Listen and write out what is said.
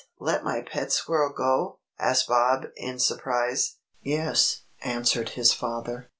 Let my pet squirrel go?" asked Bob, in surprise. "Yes," answered his father.